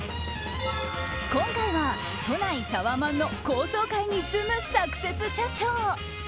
今回は、都内タワマンの高層階に住むサクセス社長。